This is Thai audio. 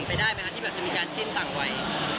ไปได้ไหมครับที่จะมีด้านจิ้นต่างวัย